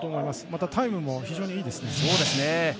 またタイムも非常にいいですね。